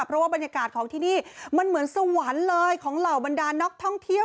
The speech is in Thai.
เพราะว่าบรรยากาศของที่นี่มันเหมือนสวรรค์เลยของเหล่าบรรดานักท่องเที่ยว